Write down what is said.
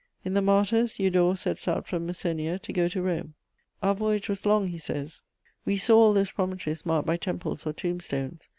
In the Martyrs, Eudore sets out from Messenia to go to Rome: "Our voyage was long," he says; "... we saw all those promontories marked by temples or tombstones....